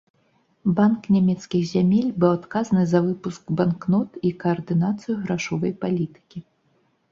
Банк нямецкіх зямель быў адказны за выпуск банкнот і каардынацыю грашовай палітыкі.